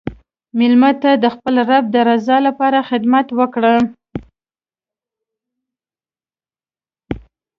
مېلمه ته د خپل رب د رضا لپاره خدمت وکړه.